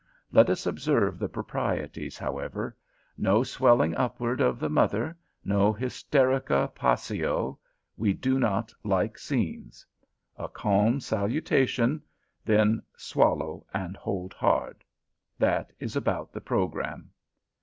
Let us observe the proprieties, however; no swelling upward of the mother, no hysterica passio, we do not like scenes. A calm salutation, then swallow and hold hard. That is about the programme.